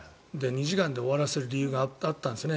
２時間で終わらせる理由があったんですね